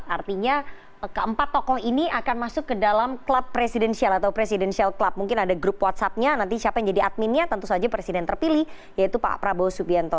artinya keempat tokoh ini akan masuk ke dalam klub presidensial atau presidential club mungkin ada grup whatsappnya nanti siapa yang jadi adminnya tentu saja presiden terpilih yaitu pak prabowo subianto